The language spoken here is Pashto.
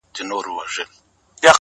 د پښتنو ماحول دی دلته تهمتوته ډېر دي ـ